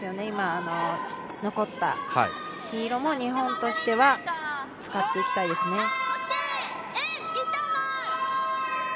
今、残った黄色も日本としては使っていきたいですね。